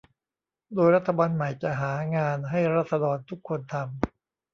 โดยรัฐบาลใหม่จะหางานให้ราษฎรทุกคนทำ